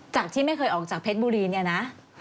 ที่ไม่เคยออกจากเพชรบุรีเนี่ยนะ